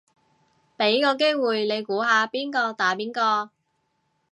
俾個機會你估下邊個打邊個